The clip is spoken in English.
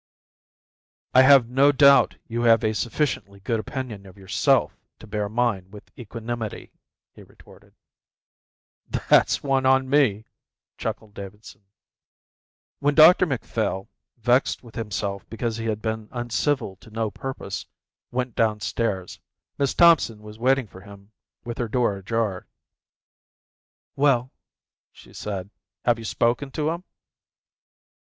"I have no doubt you have a sufficiently good opinion of yourself to bear mine with equanimity," he retorted. "That's one on me," chuckled Davidson. When Dr Macphail, vexed with himself because he had been uncivil to no purpose, went downstairs, Miss Thompson was waiting for him with her door ajar. "Well," she said, "have you spoken to him?"